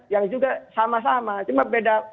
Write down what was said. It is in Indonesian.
yang juga sama sama cuma beda